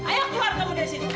ayo keluar kamu dari sini